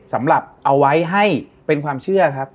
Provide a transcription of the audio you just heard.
สำหรับเอาไว้ให้เป็นความเชื่อครับ